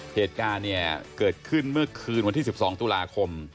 เหตุการณ์เนี่ยเกิดขึ้นเมื่อคืนวันที่๑๒ตุลาคม